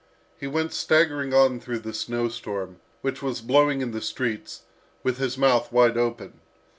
He went staggering on through the snow storm, which was blowing in the streets, with his mouth wide open.